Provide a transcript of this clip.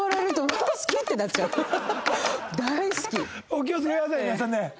お気をつけください皆さんね。